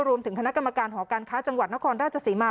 รวมถึงคณะกรรมการหอการค้าจังหวัดนครราชศรีมา